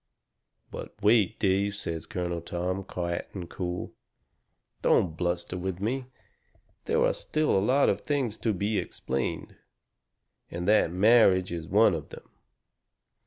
"But wait, Dave," says Colonel Tom, quiet and cool. "Don't bluster with me. There are still a lot of things to be explained. And that marriage is one of them.